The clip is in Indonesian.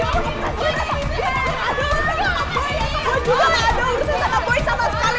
gue juga gak ada urusan sama boy sama sekali